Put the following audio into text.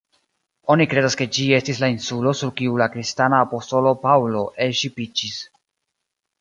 Oni kredas ke ĝi estis la insulo sur kiu la kristana apostolo Paŭlo elŝipiĝis.